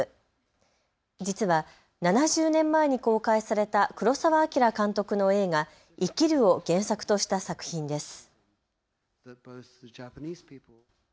実は７０年前に公開された黒澤明監督の映画、生きるを原作とした作品です。